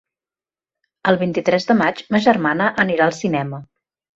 El vint-i-tres de maig ma germana anirà al cinema.